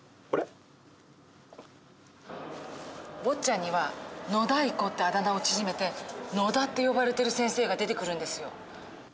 「坊っちゃん」には「野だいこ」ってあだ名を縮めて「野だ」って呼ばれてる先生が出てくるんですよ。